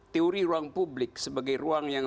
teori ruang publik sebagai ruang yang